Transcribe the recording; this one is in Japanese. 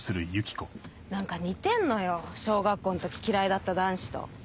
何か似てんのよ小学校の時嫌いだった男子と。